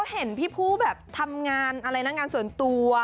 เห็นพี่ผู้แบบทำงานอะไรนะงานส่วนตัว